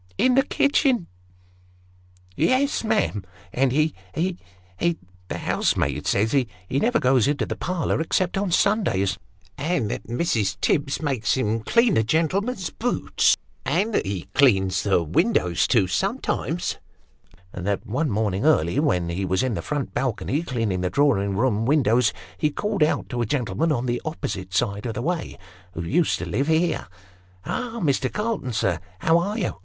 " In the kitchen !"" Yes, ma'am : and he he he the housemaid says, he never goes into the parlour except on Sundays ; and that Mrs. Tibbs makes him clean the gentlemen's boots; and that he cleans the windows, too, sometimes ; and that one morning early, when he was in the front balcony cleaning the drawing room windows, he called out to a gentle man on the opposite side of the way, who used to live here ' Ah ! Mr. Calton, sir, how are you